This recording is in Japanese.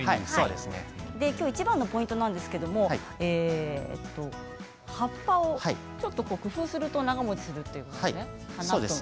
今日いちばんのポイントなんですが葉っぱを工夫すると長もちするということです。